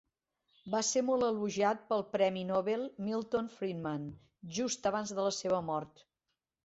Va ser molt elogiat pel Premi Nobel Milton Friedman just abans de la seva mort.